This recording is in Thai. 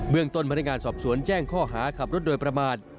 เมืองต้นพนักงานสอบสวนแจ้งข้อหาขับรถโดยประมาท